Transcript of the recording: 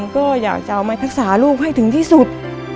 ก็อยากจะเอามารักษาลูกให้ถึงที่สุด